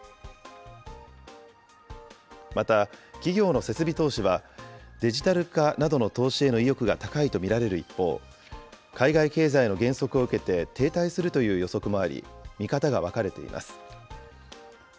また、企業の設備投資は、デジタル化などの投資への意欲が高いと見られる一方、海外経済の減速を受けて、停滞するという予測もあり、見方が分かれています。